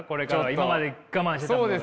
今まで我慢してたものが。